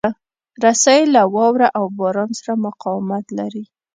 رسۍ له واوره او باران سره مقاومت لري.